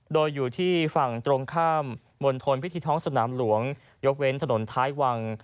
โดยอยู่ที่ฝั่งตรงข้ามมณฑลพิธีท้องสนามหลวงยกเว้นถนนท้ายวัง